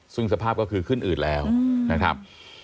ซึ่งสภาพก็คือขึ้นอืดแล้วนะครับ